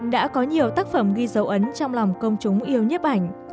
đã có nhiều tác phẩm ghi dấu ấn trong lòng công chúng yêu nhếp ảnh